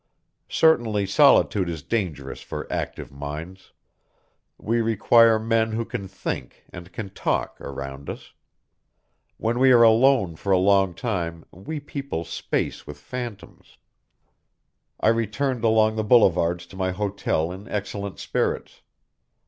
Certainly solitude is dangerous for active minds. We require men who can think and can talk, around us. When we are alone for a long time we people space with phantoms. I returned along the boulevards to my hotel in excellent spirits.